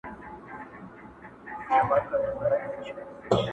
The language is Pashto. خو دانو ته یې زړه نه سو ټینګولای.